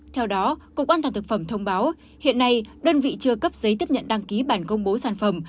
theo đó cục an toàn thực phẩm thông báo hiện nay đơn vị chưa cấp giấy tiếp nhận đăng ký bản công bố sản phẩm